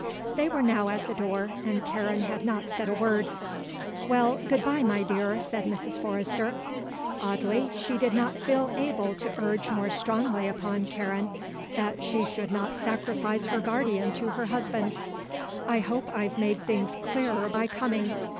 They were now at the door and Karen had not said a word. "Well, good bye, my dear," said Mrs. Forrester. Oddly she did not feel able to urge more strongly upon Karen that she should not sacrifice her guardian to her husband. "I hope I've made things clearer by coming.